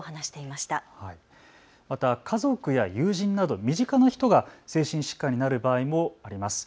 また家族や友人など身近な人が精神疾患になる場合もあります。